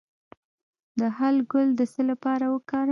د هل ګل د څه لپاره وکاروم؟